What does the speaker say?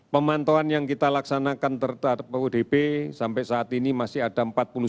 pemantauan yang kita laksanakan terhadap odp sampai saat ini masih ada empat puluh sembilan sembilan ratus lima puluh delapan